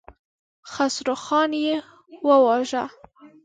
خسروخان يې وواژه.